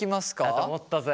だと思ったぜ。